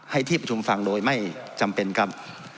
ที่ประชุมฟังโดยไม่จำเป็นครับ